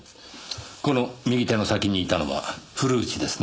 この右手の先にいたのは古内ですね？